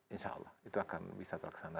insya allah itu akan bisa terlaksana